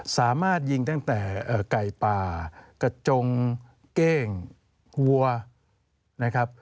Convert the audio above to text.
สามารถยิงตั้งแต่ไก่ป่ากระจงเก้งวัวนะครับ